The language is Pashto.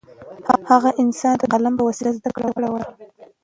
هغه انسان ته د قلم په وسیله زده کړه ورکړه.